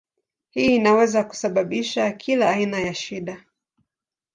Hii inaweza kusababisha kila aina ya shida.